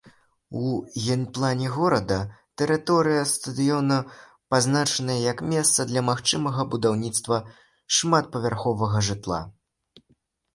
У генплане горада тэрыторыя стадыёна пазначаная як месца для магчымага будаўніцтва шматпавярховага жытла.